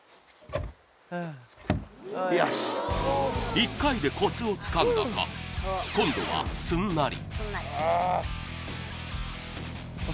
１回でコツをつかんだか、今度はすんなり。